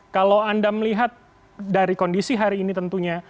kalau anda melihat dari kondisi hari ini tentunya